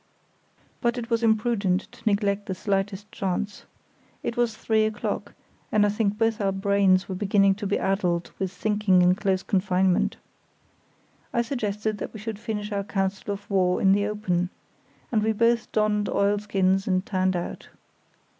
But it was imprudent to neglect the slightest chance. It was three o'clock, and I think both our brains were beginning to be addled with thinking in close confinement. I suggested that we should finish our council of war in the open, and we both donned oilskins and turned out.